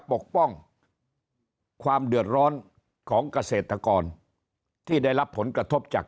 ปกป้องความเดือดร้อนของเกษตรกรที่ได้รับผลกระทบจาก